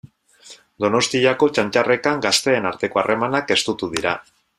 Donostiako Txantxarrekan gazteen arteko harremanak estutu dira.